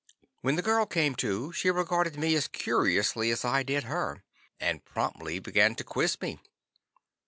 When the girl came to, she regarded me as curiously as I did her, and promptly began to quiz me.